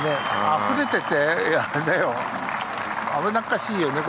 あふれててね危なっかしいよね。